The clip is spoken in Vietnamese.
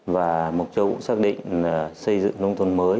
và mộc châu cũng xác định là xây dựng nông thôn mới